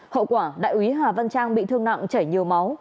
hậu quả đại úy hà văn trang bị thương nặng chảy nhiều máu